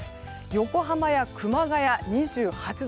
横浜や熊谷、２８度。